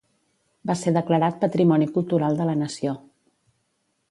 Va ser declarat Patrimoni Cultural de la Nació.